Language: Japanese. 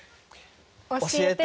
『教えて！